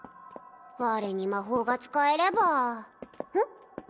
我に魔法が使えればうん？